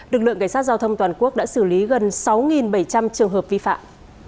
lực lượng cảnh sát giao thông toàn quốc đã xử lý gần sáu bảy trăm linh trường hợp vi phạm